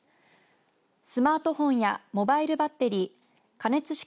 スマートフォンやモバイルバッテリー加熱式